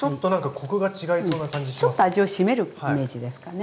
ちょっと味を締めるイメージですかね。